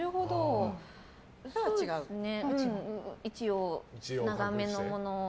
一応、長めのものを。